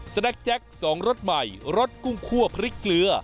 สนักแจ็ค๒รสใหม่รสปริกเกลือ